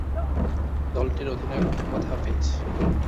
দলটির অধিনায়ক মোহাম্মদ হাফিজ।